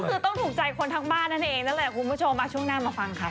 ก็คือต้องถูกใจคนทั้งบ้านนั่นเองนั่นแหละคุณผู้ชมช่วงหน้ามาฟังค่ะ